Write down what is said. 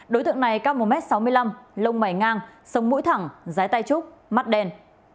đối tượng này cao một m sáu mươi năm lông mẩy ngang sống mũi thẳng rái tay trúc mắt đen